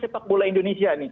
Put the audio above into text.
sepak bola indonesia nih